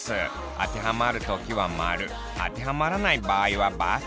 当てはまる時は○当てはまらない場合は×。